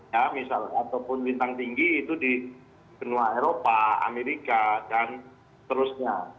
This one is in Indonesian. ya misalnya ataupun lintang tinggi itu di benua eropa amerika dan terusnya